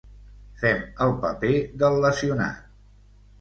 Fem el paper del lesionat.